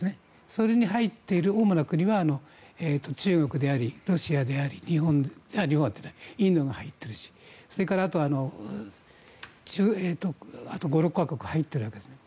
それに入っている主な国は中国であり、ロシアでありインドが入っているしそれからあと５６か国入っているわけです。